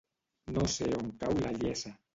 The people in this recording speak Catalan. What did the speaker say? No sé on cau la Iessa.